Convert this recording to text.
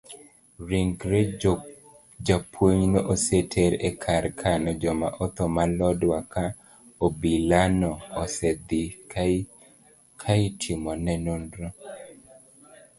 Ringre japuonjno oseter ekar kano joma otho ma lodwa ka obilano osendhi kaitimone nonro.